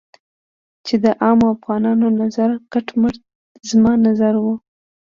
چې د عامو افغانانو نظر کټ مټ زما نظر و.